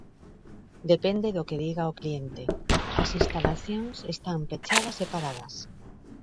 Depende do que diga o cliente. As instalacións están pechadas e paradas.